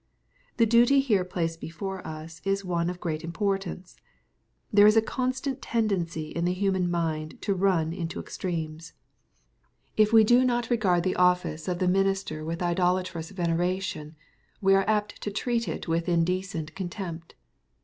The duty here placed before us is one of great im* portance. There is a constant tendency in the human mind to run into extremes. If we do not regai^d the 13* 298 EXPOSITOBY THOUGHTS. office of the minister with idolatrous veneration, we are apt to treat it with indecent contempt.